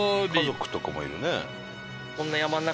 家族とかもいるね。